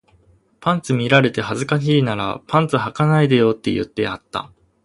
パンツ見られて恥ずかしいならパンツ履かないでよって言ってやった